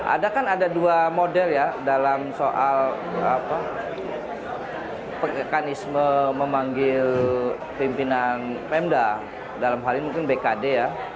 ada kan ada dua model ya dalam soal mekanisme memanggil pimpinan pemda dalam hal ini mungkin bkd ya